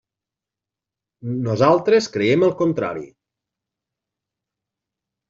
Nosaltres creiem el contrari.